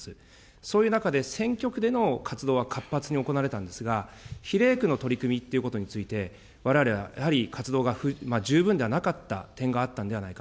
そういう中で、選挙区での活動は活発に行われたんですが、比例区の取り組みっていうことについて、われわれはやはり活動が十分ではなかった点があるんではないか。